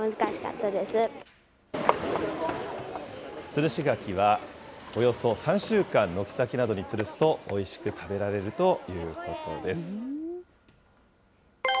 つるし柿は、およそ３週間、軒先などにつるすと、おいしく食べられるということです。